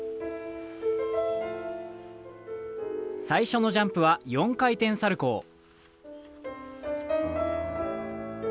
最初のジャンプは４回転サルコウ。